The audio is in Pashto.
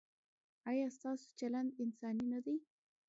ایا ستاسو چلند انساني نه دی؟